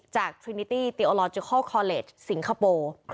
จากทรินิตี้เทียโอลอจิคัลคอลเลจสิงคโปร์